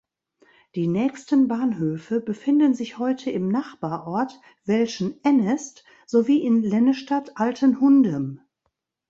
Die nächsten Bahnhöfe befinden sich heute im Nachbarort Welschen-Ennest, sowie in Lennestadt-Altenhundem.